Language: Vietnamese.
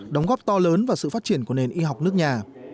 đóng góp to lớn vào sự phát triển của nền y học nước nhà